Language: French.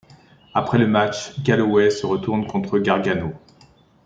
Après le match, Galloway se retourne contre Gargano.